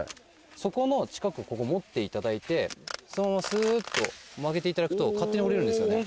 そこの近くここ持っていただいてそのまますっと曲げていただくと勝手に折れるんですよね。